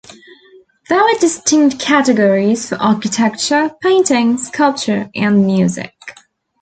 There were distinct categories for architecture, painting, sculpture and music.